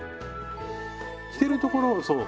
着てるところそう。